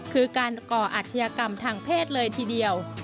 คือการก่ออาชญากรรมทางเพศเลยทีเดียว